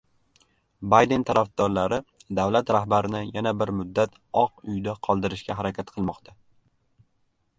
Bayden tarafdorlari davlat rahbarini yana bir muddat Oq uyda qoldirishga harakat qilmoqda